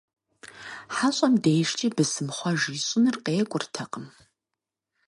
ХьэщӀэм и дежкӀи бысымхъуэж ищӀыныр къекӀуртэкъым.